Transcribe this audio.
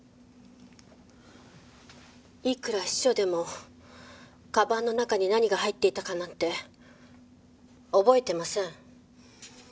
いくら秘書でも鞄の中に何が入っていたかなんて覚えてません。